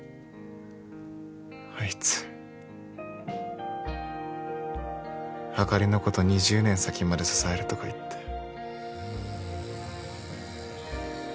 あいつあかりのこと２０年先まで支えるとか言って。